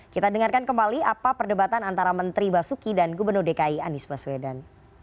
kita dengarkan kembali apa perdebatan antara menteri basuki dan gubernur dki anies baswedan